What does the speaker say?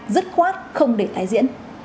rất khoát không để tái diễn